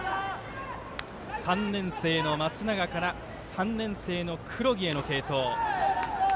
３年生の松永から３年生の黒木への継投。